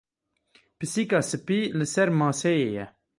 Pisîka spî li ser maseyê ye.